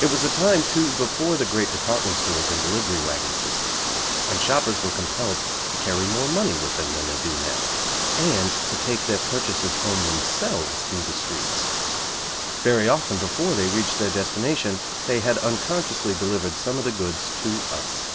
It was a time, too, before the great department stores and delivery wagon systems, and shoppers were compelled to carry more money with them than they do now, and to take their purchases home themselves through the streets. Very often before they reached their destination they had unconsciously delivered some of the goods to us.